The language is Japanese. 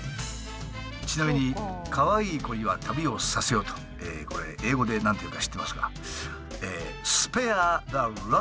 ちなみに「かわいい子には旅をさせよ」とこれ英語で何て言うか知ってますか？